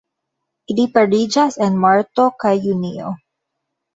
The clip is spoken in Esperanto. Ili pariĝas en marto kaj junio.